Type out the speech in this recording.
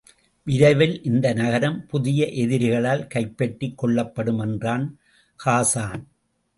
விரைவில் இந்த நகரம் புதிய எதிரிகளால் கைப்பற்றிக் கொள்ளப்படும் என்றான் ஹாஸான்.